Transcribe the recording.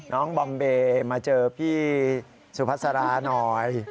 บอมเบย์มาเจอพี่สุภาษาราหน่อย